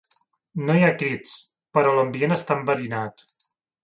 No hi ha crits, però l'ambient està enverinat.